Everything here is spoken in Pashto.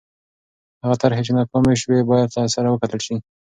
هغه طرحې چې ناکامې سوې باید له سره وکتل سي.